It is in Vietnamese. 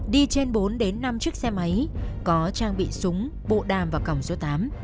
đi trên bốn năm chiếc xe máy có trang bị súng bộ đàm và cỏng số tám